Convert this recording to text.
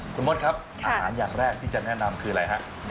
คุณมดครับอาหารอย่างแรกที่จะแนะนำคืออะไรฮะ